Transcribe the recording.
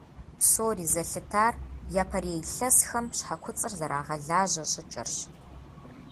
Псори зэлъытар япэрей илъэсхэм щхьэ куцӀыр зэрагъэлажьэ щӀыкӀэрщ.